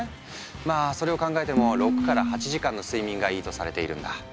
まあそれを考えても６８時間の睡眠がいいとされているんだ。